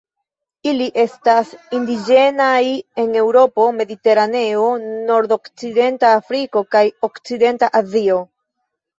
Ili estas indiĝenaj en Eŭropo, Mediteraneo, nordokcidenta Afriko kaj okcidenta Azio.